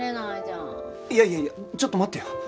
いやいやいやちょっと待ってよ。